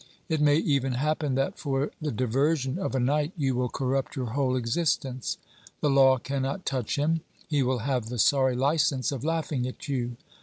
It may even happen that for the diversion of a night you will corrupt your whole existence. The law cannot touch him ; he will have the sorry licence of laughing at you.